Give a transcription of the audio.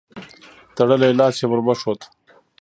تړلی لاس يې ور وښود.